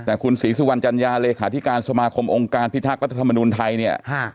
แต่คุณศรีสุวรรณจัญญาเลขาธิการสมาคมองค์การพิทักษ์รัฐธรรมนุนไทยเนี่ย